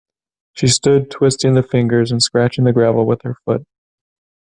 She stood twisting the fingers and scratching the gravel with her foot.